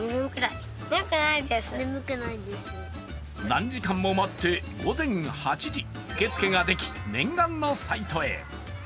何時間も待って、午前８時、受け付けができ、念願のサイトへ。